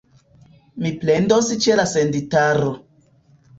Mi plendos ĉe la senditaro.